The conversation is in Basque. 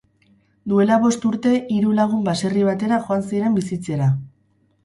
Duela bost urte hiru lagun baserri batera joan ziren bizitzera.